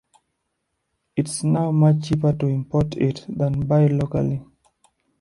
It’s now much cheaper to import it than buy locally.